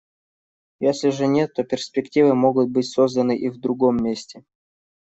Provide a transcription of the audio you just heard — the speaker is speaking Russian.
Если же нет, то перспективы могут быть созданы и в другом месте.